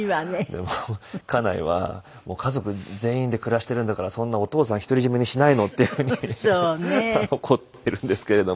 でも家内は「家族全員で暮らしているんだからそんなお父さんを独り占めにしないの」っていうふうに怒ってるんですけれども。